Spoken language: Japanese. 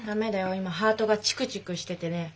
今ハートがチクチクしててね。